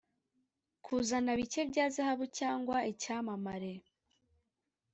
kuzana bike bya zahabu cyangwa icyamamare,